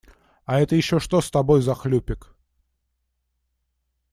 А это еще что с тобой за хлюпик?